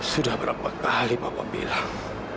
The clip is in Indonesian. sudah berapa kali bapak bilang